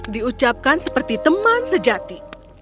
di ucapkan seperti teman sejati